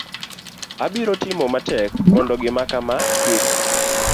abiro timo matek mondo gimakama kik